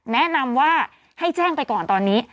แนะนำว่าให้แจ้งไปก่อนตอนนี้